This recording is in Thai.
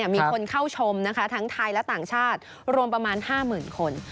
มีคนเข้าชมทั้งไทยและต่างชาติรวมประมาณ๕๐๐๐คน